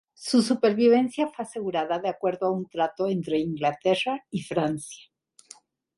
Su supervivencia fue asegurada de acuerdo a un trato entre Inglaterra y Francia.